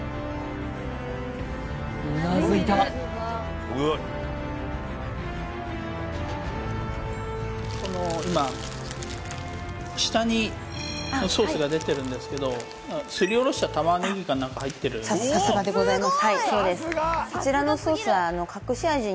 うなずいた今下にソースが出てるんですけどすりおろした玉ねぎか何か入ってるさすがでございます